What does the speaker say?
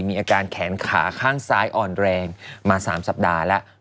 มีอาการแขนขาข้างซ้ายอ่อนแรงมา๓สัปดาห์แล้ว